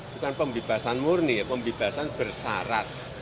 bukan pembebasan murni pembebasan bersyarat